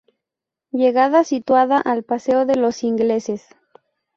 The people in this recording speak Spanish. Llegada situada al Paseo de los Ingleses.